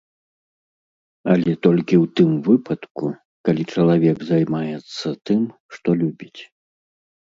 Але толькі ў тым выпадку, калі чалавек займаецца тым, што любіць.